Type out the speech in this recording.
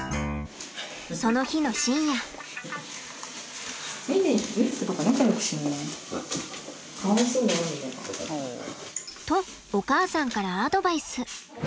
その日の深夜。とお母さんからアドバイス。